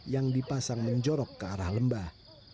yang dipasang menjorok ke arah lembah